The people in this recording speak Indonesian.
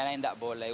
nah nggak boleh